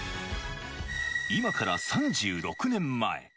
今から３６年前。